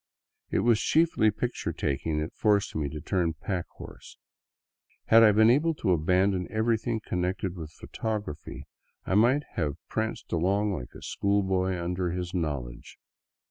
It was chiefly picture taking that forced me to turn pack horse; had I been able to abandon everything connected with photography, I might have pranced along like a school boy under his knowledge.